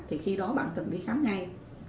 thì khi đó bạn cần đi khám ngay